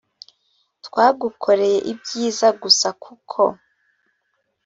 twagukoreye ibyiza gusa kuko